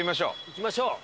行きましょう！